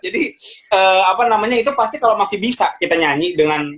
jadi apa namanya itu pasti kalo masih bisa kita nyanyi dengan